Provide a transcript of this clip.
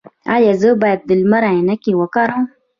ایا زه باید د لمر عینکې وکاروم؟